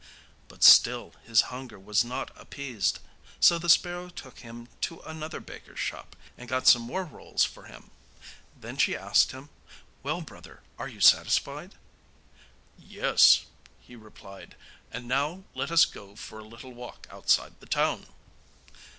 But still his hunger was not appeased; so the sparrow took him to another baker's shop, and got some more rolls for him. Then she asked him: 'Well, brother, are you satisfied?' 'Yes,' he replied; 'and now let us go for a little walk outside the town.